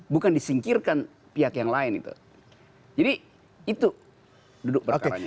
bukan disingkirkan pihak yang lain itu jadi itu duduk perkaranya